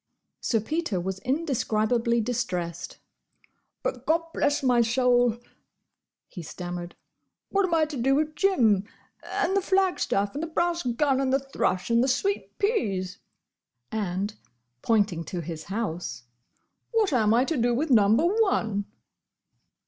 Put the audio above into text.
Sir Peter was indescribably distressed. "But—Gobblessmysoul!—" he stammered—"what am I to do with Jim, and the flagstaff, and the brass gun, and the thrush, and the sweet peas?" and, pointing to his house, "What am I to do with Number One?"